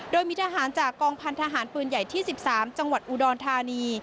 โดยมีทหารจากกองพันธหารปืนใหญ่ที่๑๓จังหวัดอุดรธานี